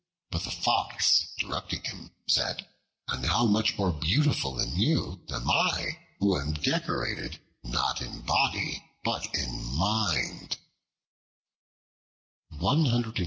But the Fox, interrupting him, said, "And how much more beautiful than you am I, who am decorated, not in body, but in mind."